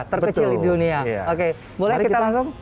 terkecil di dunia oke boleh kita langsung